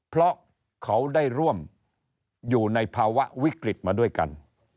เพราะเขาได้ร่วมอยู่ในภาวะวิกฤตมาด้วยกัน